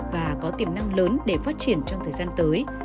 và có tiềm năng lớn để phát triển trong thời gian tới